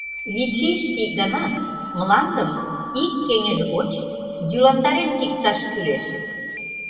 Вич ийыште ик гана мландым ик кеҥеж гоч йӱландарен кийыкташ кӱлеш.